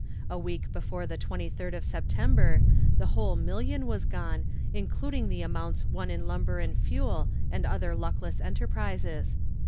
A week before the 23d of September, the whole million was gone, including the amounts won in Lumber and Fuel and other luckless enterprises.